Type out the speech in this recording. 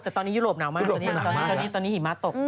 แต่ตอนนี้ยุโรปหนาวมากตอนนี้ตอนนี้หิมะตก